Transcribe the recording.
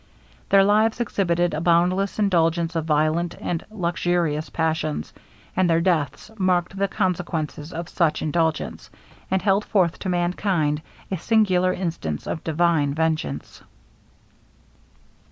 Their lives exhibited a boundless indulgence of violent and luxurious passions, and their deaths marked the consequences of such indulgence, and held forth to mankind a singular instance of divine vengeance.